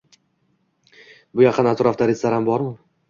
Bu yaqin atrofda restoran bormi?